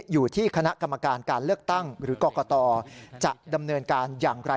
อยู่ที่คณะกรรมการการเลือกตั้งหรือกรกตจะดำเนินการอย่างไร